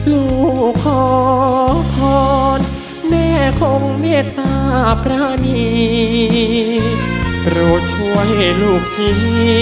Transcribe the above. ลูกขอพรแม่คงเมตตาปรานีโปรดช่วยลูกที